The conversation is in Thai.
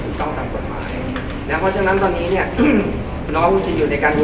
เกี่ยวกับส่วนเรื่องต่างของความควบคุมในการควบคุม